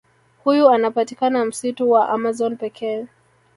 Huyu anapatikana msitu wa amazon pekee